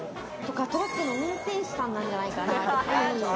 トラックの運転手さんなんじゃないかなという。